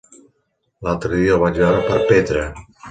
L'altre dia el vaig veure per Petra.